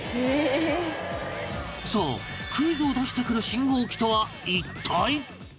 そうクイズを出してくる信号機とは一体？